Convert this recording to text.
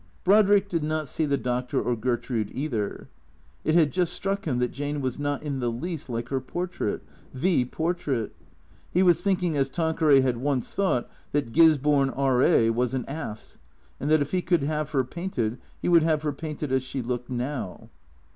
Brodrick did not see the Doctor or Gertrude either. It had just struck him that Jane was not in the least like her portrait, the portrait. He was thinking, as Tanqueray had once thought, that Gisborne, R. A., was an ass, and that if he could have her painted he would have her painted as she looked now.